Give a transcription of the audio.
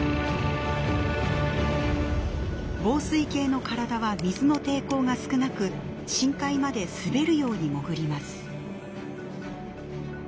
紡錘形の体は水の抵抗が少なく深海まで滑るように潜ります。